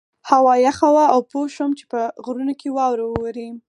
هوا یخه وه او پوه شوم چې په غرونو کې واوره وورې.